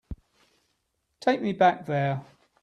Take me back there.